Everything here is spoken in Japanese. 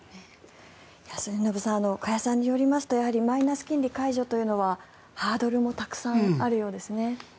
末延さん加谷さんによりますとやはりマイナス金利解除というのはハードルもたくさんあるようですね。